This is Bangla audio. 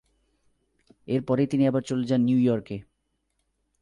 এরপরই তিনি আবার চলে যান ন্যুইয়র্কে।